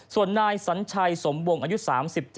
ส่วนนายศรังไชสมบงอายุ๓๗ปี